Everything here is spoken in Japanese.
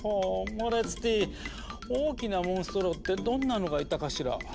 モレツティ大きなモンストロってどんなのがいたかしら？